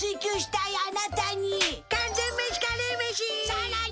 さらに！